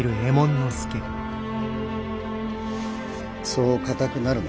そう硬くなるな。